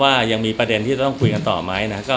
ว่ายังมีประเด็นที่จะต้องคุยกันต่อไหมนะ